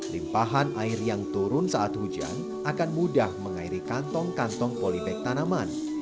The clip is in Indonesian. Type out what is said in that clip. limpahan air yang turun saat hujan akan mudah mengairi kantong kantong polybag tanaman